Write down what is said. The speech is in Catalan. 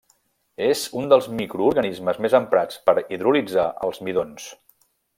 És un dels microorganismes més emprats per hidrolitzar els midons.